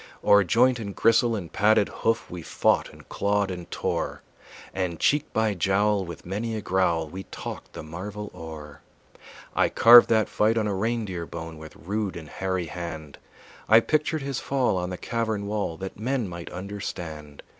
O'er joint and gristle and padded hoof We fought and clawed and tore, And cheek by jowl with many a growl We talked the marvel o'er. I carved that fight on a reindeer bone With rude and hairy hand; I pictured his fall on the cavern wall That men might understand.